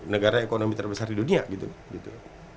negara ekonomi terbesar di dunia gitu